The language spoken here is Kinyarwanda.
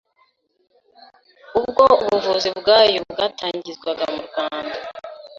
ubwo ubuvuzi bwayo bwatangizwaga mu Rwanda.